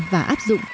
và áp dụng